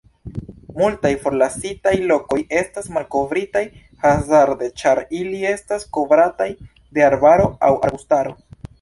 Multaj forlasitaj lokoj estas malkovritaj hazarde ĉar ili estas kovrataj de arbaro au arbustaro.